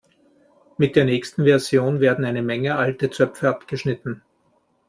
Mit der nächsten Version werden eine Menge alte Zöpfe abgeschnitten.